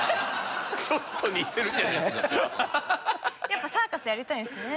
やっぱサーカスやりたいんですね。